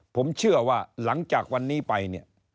ผมเชื่อว่าหลังจากวันนี้ไปเนี่ย